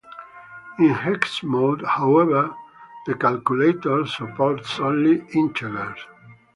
In hex mode, however, the Windows Calculator supports only integers.